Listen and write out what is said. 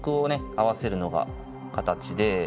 合わせるのが形で。